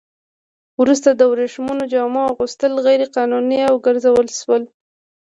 وروسته د ورېښمينو جامو اغوستل غیر قانوني وګرځول شول.